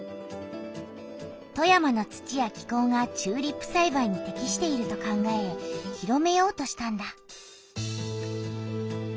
富山の土や気こうがチューリップさいばいにてきしていると考え広めようとしたんだ。